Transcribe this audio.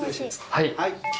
はい。